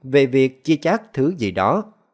về việc chia chát thứ gì đó